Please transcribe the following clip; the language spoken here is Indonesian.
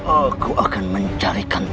aku akan mencarikan